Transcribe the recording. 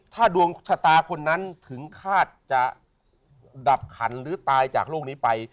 ถ้าดวงชะตาคนนั้นถึงคาดจะดับขันหรือตายจากโลกนี้ไป